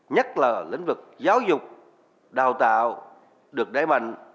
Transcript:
nhất là lĩnh vực giáo dục đào tạo được đẩy mạnh